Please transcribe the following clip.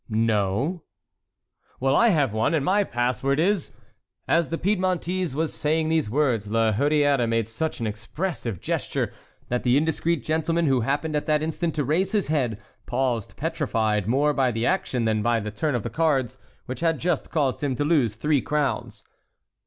"No." "Well, I have one, and my pass word is"— As the Piedmontese was saying these words, La Hurière made such an expressive gesture that the indiscreet gentleman, who happened at that instant to raise his head, paused petrified more by the action than by the turn of the cards which had just caused him to lose three crowns.